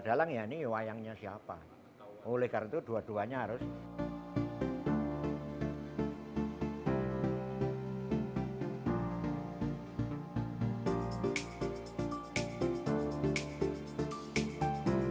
di bawah ini isi topeng peutil janggut dengan supu dipakai